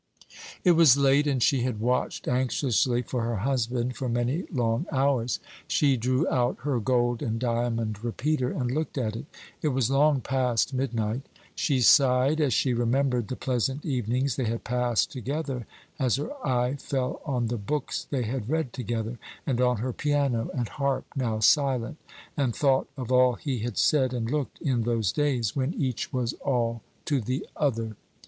It was late, and she had watched anxiously for her husband for many long hours. She drew out her gold and diamond repeater, and looked at it. It was long past midnight. She sighed as she remembered the pleasant evenings they had passed together, as her eye fell on the books they had read together, and on her piano and harp, now silent, and thought of all he had said and looked in those days when each was all to the other.